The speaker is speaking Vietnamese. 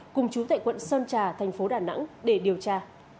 cùng chú tại quận sơn trà tp đà nẵng để điều tra